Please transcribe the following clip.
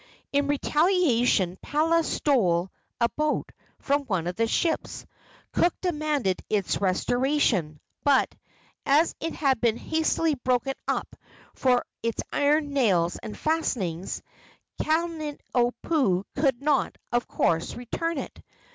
In retaliation Palea stole a boat from one of the ships. Cook demanded its restoration, but, as it had been hastily broken up for its iron nails and fastenings, Kalaniopuu could not, of course, return it.